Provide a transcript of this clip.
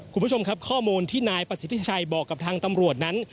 คุณผู้ชมครับข้อมูลที่นายประสิทธิชัยบอกกับทางตำรวจนั้น